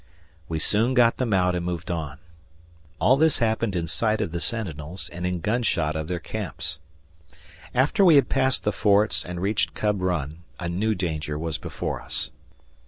We soon got them out and moved on. All this happened in sight of the sentinels and in gunshot of their camps. After we had passed the forts and reached Cub Run, a new danger was before us.